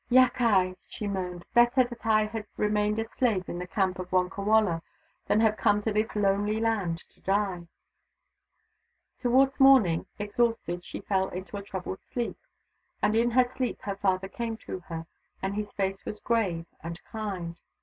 " Yakai \" she moaned. " Better that I had remained a slave in the camp of Wonkawala than have come to this lonely land to die !" Towards morning, exhausted, she fell into a troubled sleep. And in her sleep her father came to her, and his face was grave and kind.